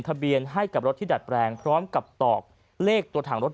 ทะเบียนให้กับรถที่ดัดแปลงพร้อมกับตอกเลขตัวถังรถ